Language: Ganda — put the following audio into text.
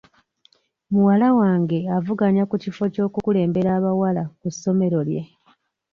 Muwala wange avuganya ku kifo ky'oku kulembera abawala ku ssomero lye.